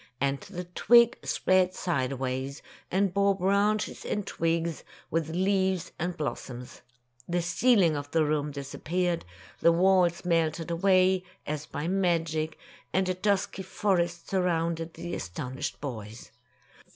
And the twig spread side ways, and bore branches and twigs, with leaves and blos soms. The ceiling of the room disappeared, the walls melted away, as by magic, and a dusky forest surrounded the astonished boys.